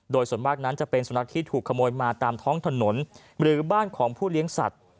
โดยส่วนมากนั้นจะเป็นสุนัขที่ถูกขโมยมาตามท้องถนนหรือบ้านของผู้เลี้ยงสัตว์